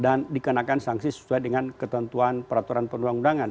dan dikenakan sangsi sesuai dengan ketentuan peraturan penduduk undangan